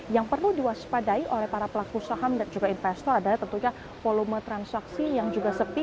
yang perlu diwaspadai oleh para pelaku saham dan juga investor adalah tentunya volume transaksi yang juga sepi